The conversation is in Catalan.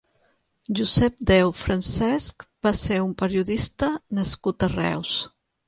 Josep Déu Francesch va ser un periodista nascut a Reus.